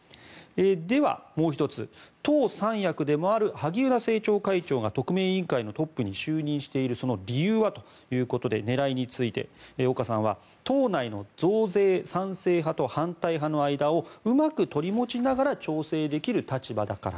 では、もう１つ党三役でもある萩生田政調会長が特命委員会のトップに就任している理由はというと狙いについて岡さんは党内の増税賛成派と反対派の間をうまく取り持ちながら調整できる立場だから。